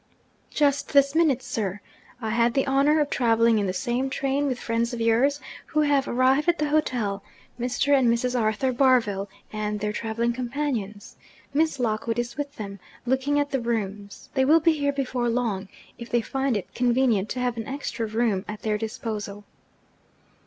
'Just this minute, sir. I had the honour of travelling in the same train with friends of yours who have arrived at the hotel Mr. and Mrs. Arthur Barville, and their travelling companions. Miss Lockwood is with them, looking at the rooms. They will be here before long, if they find it convenient to have an extra room at their disposal.'